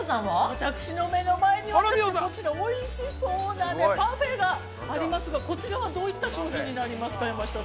◆私の目の前には、おいしそうなパフェがありますが、こちらはどういった商品になりますか。